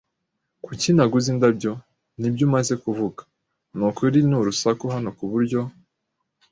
Kuki naguze indabyo? Nibyo umaze kuvuga? Nukuri ni urusaku hano kuburyo